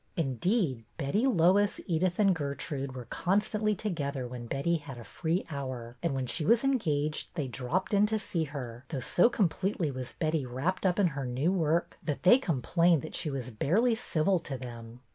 In deed, Betty, Lois, Edyth, and Gertrude were con stantly together when Betty had a free hour ; and when she was engaged they dropped in to see her, though so completely was Betty wrapped up in her new work that they complained that she was barely civil to them.